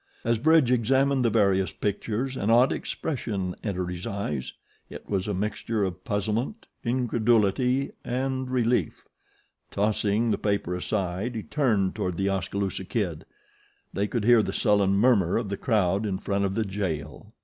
As Bridge examined the various pictures an odd expression entered his eyes it was a mixture of puzzlement, incredulity, and relief. Tossing the paper aside he turned toward The Oskaloosa Kid. They could hear the sullen murmur of the crowd in front of the jail.